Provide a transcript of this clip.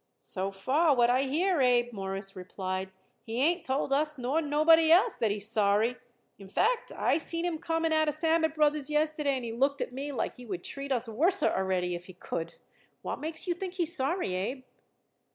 "So far what I hear, Abe," Morris replied, "he ain't told us nor nobody else that he's sorry. In fact, I seen him coming out of Sammet Brothers' yesterday, and he looked at me like he would treat us worser already, if he could. What makes you think he's sorry, Abe?"